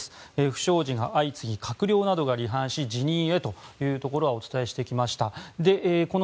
不祥事が相次ぎ閣僚などが離反し辞任へというところはお伝えしてきました。